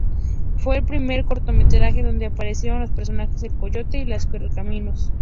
Fue el primer cortometraje donde aparecieron los personajes El Coyote y el Correcaminos.